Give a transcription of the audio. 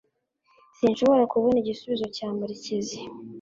Sinshobora kubona igisubizo cya murekezi